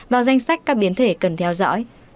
vào danh sách các biến thể cần theo dõi